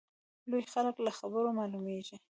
لوی خلک له خبرو معلومیږي.